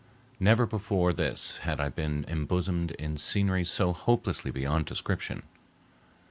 Never before this had I been embosomed in scenery so hopelessly beyond description.